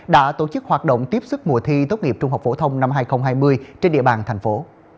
đã tổ chức hoạt động tiếp sức mùa thi tốt nghiệp trung học phổ thông năm hai nghìn hai mươi trên địa bàn thành phố